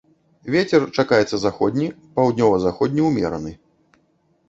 Вецер чакаецца заходні, паўднёва-заходні ўмераны.